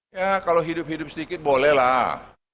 ya kalau hidup hidup sedikit boleh lah